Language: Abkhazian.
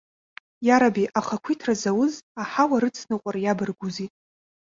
Иараби, ахақәиҭра зауз аҳауа рыцныҟәар иабаргузи.